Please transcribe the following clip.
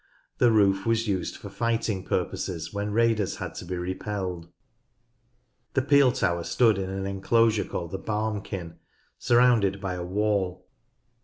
The roof was used for fighting purposes when raiders had to be repelled. The peel tower stood in an enclosure called the "barmkyn," surrounded by a wall.